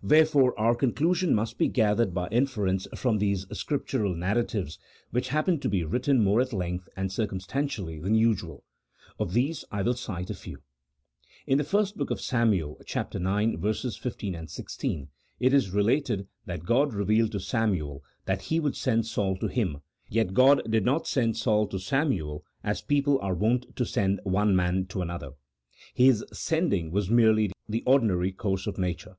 "Wherefore our conclusion must be gathered by inference from those Scriptural narratives which happen to be written more at length and circumstantially than usual. Of these I will cite a few. In the first book of Samuel, ix. 15, 16, it is related that God revealed to Samuel that He would send Saul to him, yet God did not send Saul to Samuel as people are wont to send one man to another. His " sending" was merely the ordinary course of nature.